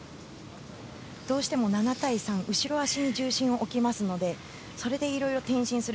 どうしても７対３後ろ足に重心を置きますのでそれでいろいろ転身する。